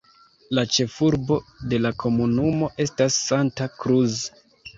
La ĉefurbo de la komunumo estas Santa Cruz.